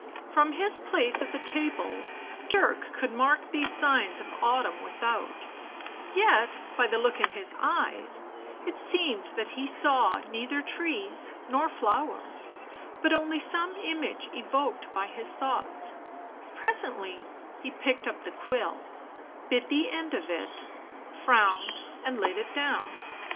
From his place at the table Dirk could mark these signs of autumn without; yet by the look in his eyes it seemed that he saw neither trees nor flowers, but only some image evoked by his thoughts ; presently he picked up the quill, bit the end of it, frowned and laid it down.